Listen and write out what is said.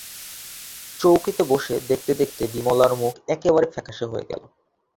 চৌকিতে বসে দেখতে দেখতে বিমলার মুখ একেবারে ফ্যাকাশে হয়ে গেল।